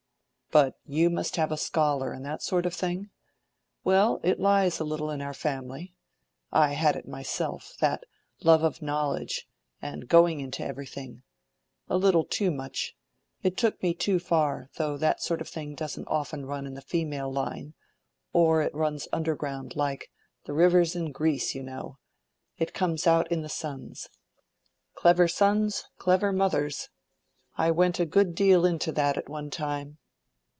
"But you must have a scholar, and that sort of thing? Well, it lies a little in our family. I had it myself—that love of knowledge, and going into everything—a little too much—it took me too far; though that sort of thing doesn't often run in the female line; or it runs underground like the rivers in Greece, you know—it comes out in the sons. Clever sons, clever mothers. I went a good deal into that, at one time.